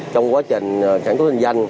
trong quá trình sản xuất hình danh